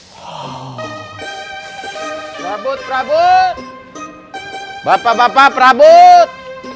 perabot perabot bapak bapak perabot